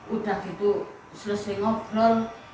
udah gitu selesai ngobrol